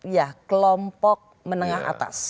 ya kelompok menengah atas